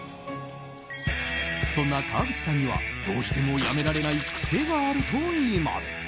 そんな川口さんにはどうしてもやめられない癖があるといいます。